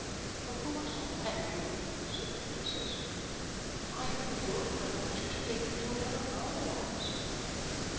"Of course I'll marry you," said the princess. "Why in the world would I want you to take me to America otherwise?"